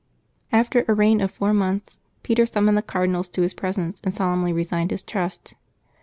After a reign of four months, Peter summoned the cardinals to his presence, and solemnly resigned his trust.